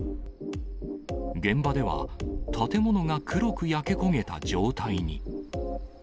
現場では、建物が黒く焼け焦げた状態に。